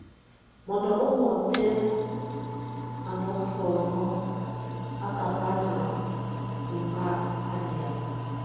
Mondo ɔmɔtɛ́ a ofɔnɔ akakán ombáŋ a lia.